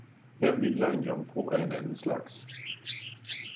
Her hviler en jomfru af en anden slags!